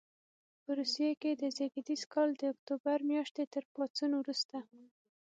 په روسیې کې د زېږدیز کال د اکتوبر میاشتې تر پاڅون وروسته.